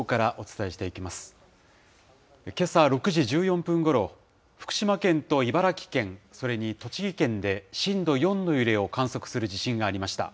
けさ６時１４分ごろ、福島県と茨城県、それに栃木県で震度４の揺れを観測する地震がありました。